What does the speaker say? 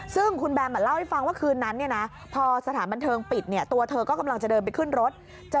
ซึ่งคุณแบมเล่าให้ฟังว่าคืนนั้นพอสถานบันเทิงปิดเนี่ยตัวเธอก็กำลังจะเดินไปขึ้นรถ